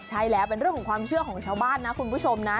ใช่แล้วเป็นเรื่องของความเชื่อของชาวบ้านนะคุณผู้ชมนะ